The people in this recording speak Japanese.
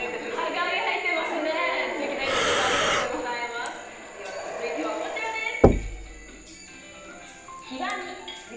輝いてますねステキなエピソードありがとうございますでは続いてはこちらです